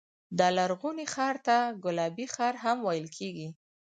دا لرغونی ښار ته ګلابي ښار هم ویل کېږي.